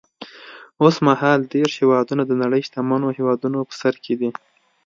اوس مهال دېرش هېوادونه د نړۍ شتمنو هېوادونو په سر کې دي.